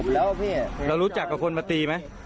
แล้วรู้จักกับคนที่มาตีมั้ย